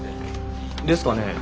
ですかねえ。